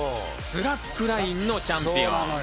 スラックラインのチャンピオン。